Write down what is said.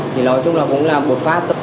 thì nói chung là cũng là một phát